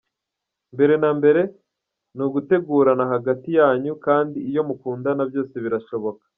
mbere na mbere nugutegurana hagati yanyu kandi iyo mukundana byose birashoboka.